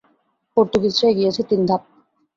পর্তুগিজরা এগিয়েছে তিন ধাপ।